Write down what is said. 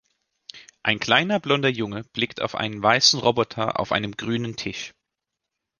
Ein kleiner blonder Junge blickt auf einen weißen Roboter auf einem grünen Tisch.